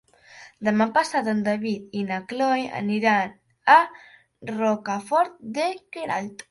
Demà passat en David i na Cloè aniran a Rocafort de Queralt.